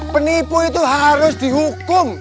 penipu itu harus dihukum